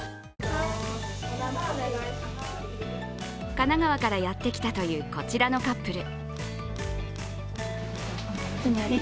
神奈川からやってきたというこちらのカップル。